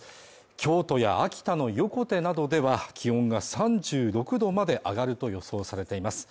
京都や秋田の横手などでは気温が３６度まで上がると予想されています